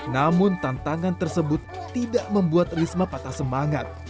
namun tantangan tersebut tidak membuat risma patah semangat